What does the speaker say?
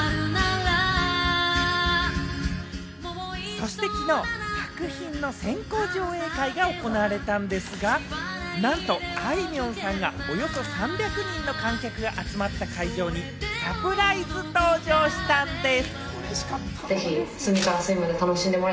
そしてきのう、作品の先行上映会が行われたんですが、なんと、あいみょんさんが、およそ３００人の観客が集まった会場にサプライズ登場したんでぃす。